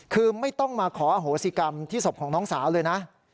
คือไม่ต้องมาขออโหสิกรรมที่ศพของน้องสาวเลยนะ